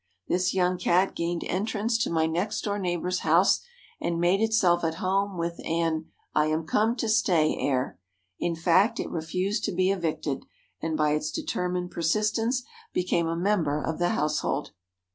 This young Cat gained entrance to my next door neighbor's house and made itself at home with an "I am come to stay" air. In fact, it refused to be evicted, and by its determined persistence became a member of the household.